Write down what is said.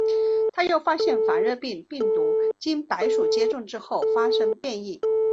他又发现黄热病病毒经白鼠接种之后便发生变异。